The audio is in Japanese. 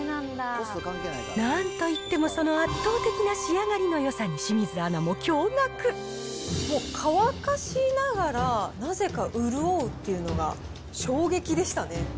なんといってもその圧倒的な仕上がりのよさに、清水アナも驚がくもう乾かしながら、なぜか潤うっていうのが衝撃でしたね。